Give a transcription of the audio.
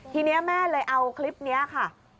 ทีนี้แม่เลยเอาคลิปนี้ค่ะ